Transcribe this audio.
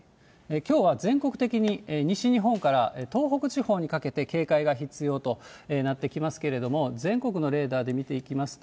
きょうは全国的に、西日本から東北地方にかけて警戒が必要となってきますけれども、全国のレーダーで見ていきますと。